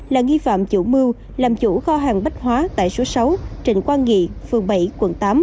là nghi phạm chủ mưu làm chủ kho hàng bách hóa tại số sáu trịnh quang nghị phường bảy quận tám